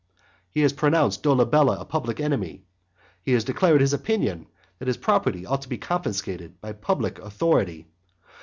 He has pronounced Dolabella a public enemy, he has declared his opinion that his property ought to be confiscated by public authority.